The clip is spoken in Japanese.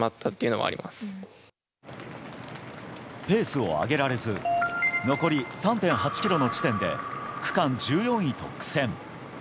ペースを上げられず残り３．８ｋｍの地点で区間１４位と苦戦。